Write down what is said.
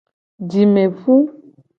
Jime pu.